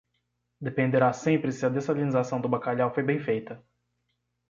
Dependerá sempre se a dessalinização do bacalhau foi bem feita.